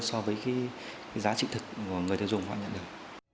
so với cái giá trị thực của người tiêu dùng họ nhận được